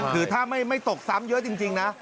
คือถ้าไม่ตกซ้ำเยอะจริงนะ